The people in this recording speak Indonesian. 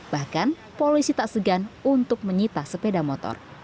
bahkan polisi tak segan untuk menyita sepeda motor